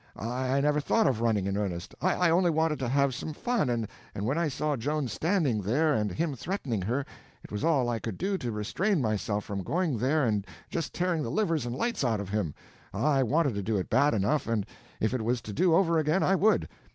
I never thought of running in earnest; I only wanted to have some fun, and when I saw Joan standing there, and him threatening her, it was all I could do to restrain myself from going there and just tearing the livers and lights out of him. I wanted to do it bad enough, and if it was to do over again, I would!